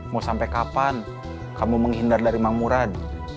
mau sampai kapan kamu menghindar dari mang murad